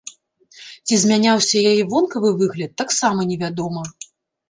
Ці змяняўся яе вонкавы выгляд, таксама невядома.